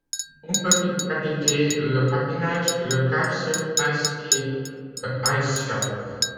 On peut y pratiquer le patinage, le kart sur glace et le ice-stock.